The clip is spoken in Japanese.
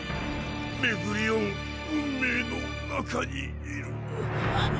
巡り合う運命の中にいる。